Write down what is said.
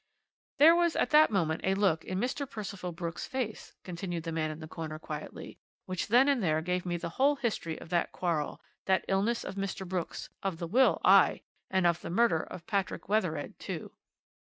"There was at that moment a look in Mr. Percival Brooks' face," continued the man in the corner quietly, "which then and there gave me the whole history of that quarrel, that illness of Mr. Brooks, of the will, aye! and of the murder of Patrick Wethered too.